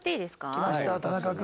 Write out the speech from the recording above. きました田中君。